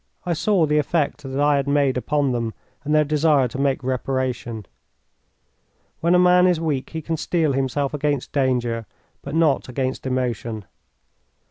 I saw the effect that I had made upon them and their desire to make reparation. When a man is weak he can steel himself against danger, but not against emotion.